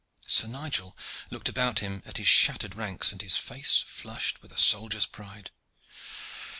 Sir Nigel looked about him at his shattered ranks, and his face flushed with a soldier's pride.